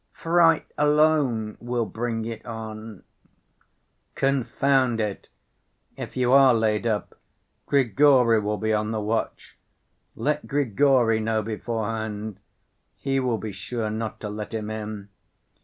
Fright alone will bring it on." "Confound it! If you are laid up, Grigory will be on the watch. Let Grigory know beforehand; he will be sure not to let him in."